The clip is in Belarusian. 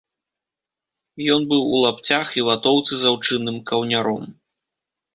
Ён быў у лапцях і ватоўцы з аўчынным каўняром.